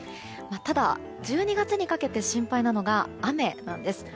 ただ、１２月にかけて心配なのが雨なんです。